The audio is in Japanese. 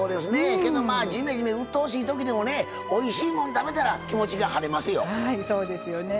けど、まあじめじめ、うっとおしいときでもおいしいもん食べたら気持ちが晴れますよ。